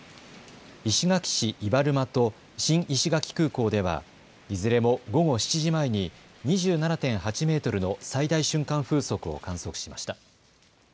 石垣市伊原間と新石垣空港ではいずれも午後７時前に２７．８メートルの最大瞬間風速を観測しました。